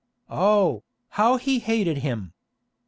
Oh, how he hated him!